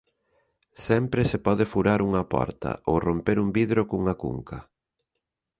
Sempre se pode furar unha porta, ou romper un vidro cunha cunca.